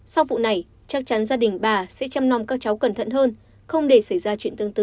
sau vụ này chắc chắn gia đình bà sẽ chăm nong các cháu cẩn thận hơn không để xảy ra chuyện tương tự